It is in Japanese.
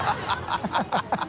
ハハハ